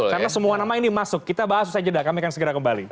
karena semua nama ini masuk kita bahas usai jeda kami akan segera kembali